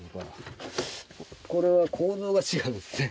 これは構造が違うんですね。